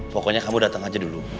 pokoknya kamu datang aja dulu